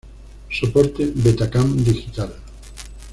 Soporte: Betacam digital.